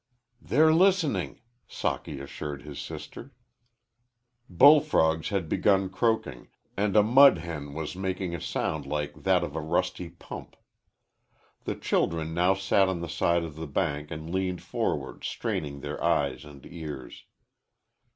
"They're listening," Socky assured his sister. Bull frogs had begun croaking and a mud hen was making a sound like that of a rusty pump. The children now sat on the side of the bank and leaned forward straining their eyes and ears.